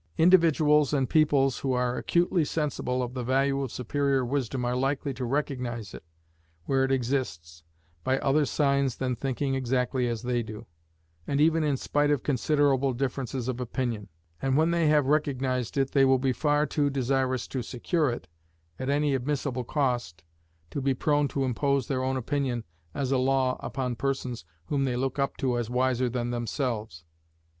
Individuals and peoples who are acutely sensible of the value of superior wisdom are likely to recognize it, where it exists, by other signs than thinking exactly as they do, and even in spite of considerable differences of opinion; and when they have recognized it they will be far too desirous to secure it, at any admissible cost, to be prone to impose their own opinion as a law upon persons whom they look up to as wiser than themselves.